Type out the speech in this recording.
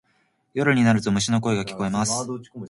夜になると虫の声が聞こえます。